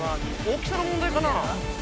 大きさの問題かな？